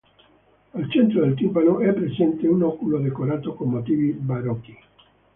Al centro del timpano è presente un oculo decorato con motivi barocchi.